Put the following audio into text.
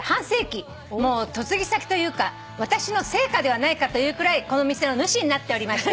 もう嫁ぎ先というか私の生家ではないかというくらいこの店の主になっておりまして」